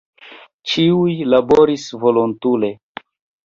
Ĉiuj laboris volontule.